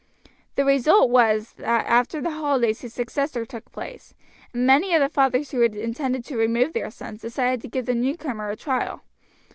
The result was that after the holidays his successor took his place, and many of the fathers who had intended to remove their sons decided to give the newcomer a trial.